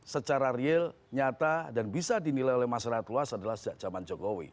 secara real nyata dan bisa dinilai oleh masyarakat luas adalah sejak zaman jokowi